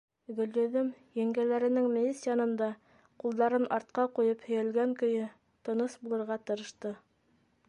Гөлйөҙөм, еңгәләренең мейес янында ҡулдарын артҡа ҡуйып һөйәлгән көйө, тыныс булырға тырышты.